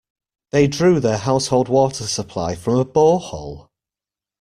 They drew their household water supply from a borehole.